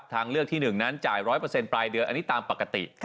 ทางเลือกที่๑นั้นจ่าย๑๐๐ปลายเดือนอันนี้ตามปกติ